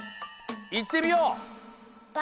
いってみよう！